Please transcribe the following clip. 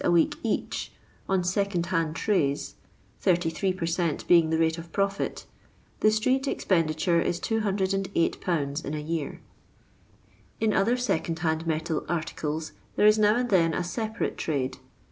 a week each, on second hand trays (38 per cent, being the rate of profit), the street ex penditure is 208/. in a year. In other second hand metal articles there is now and then a separate trade.